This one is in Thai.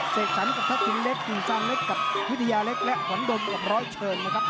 เศษฉันกับทักษิณเล็กจริงสางเล็กกับวิทยาเล็กและหวันดมกับร้อยเชิญนะครับ